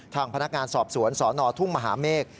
ทางพนักงานสอบสวนสนทุ่งมหาเมฆ